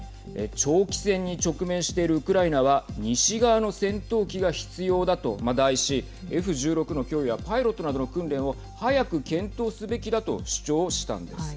長期戦に直面しているウクライナは西側の戦闘機が必要だと題しＦ１６の供与やパイロットなどの訓練を早く検討すべきだと主張したんです。